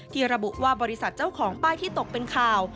ระบุว่าบริษัทเจ้าของป้ายที่ตกเป็นข่าว